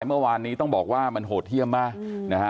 เมื่อวานนี้ต้องบอกว่ามันโหดเยี่ยมมากนะฮะ